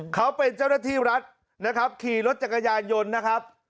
เขาเป็นเจ้าหน้าที่รัฐนะครับขี่รถจักรยานยนต์นะครับ